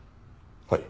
はい。